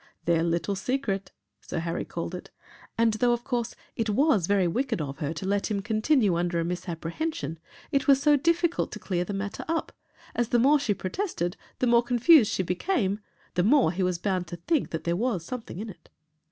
"Their little secret," Sir Harry called it and though, of course, it was very wicked of her to let him continue under a misapprehension, it was so difficult to clear the matter up, as, the more she protested, the more confused she became, the more he was bound to think that there was something in it.